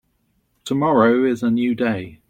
Tomorrow is a new day.